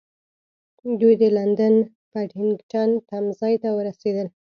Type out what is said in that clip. دوی د لندن پډینګټن تمځای ته ورسېدل.